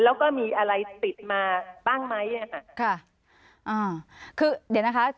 แล้วก็มีอะไรติดมาบ้างไหมอ่ะค่ะอ่าคือเดี๋ยวนะคะ